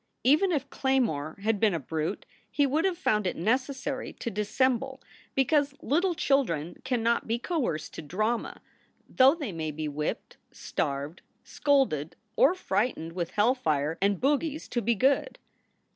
Even if Claymore had been a brute he would have found it necessary to dissemble, because little children cannot be 262 SOULS FOR SALE coerced to drama, though they may be whipped, starved, scolded, or frightened with hell fire and bogies to be "good."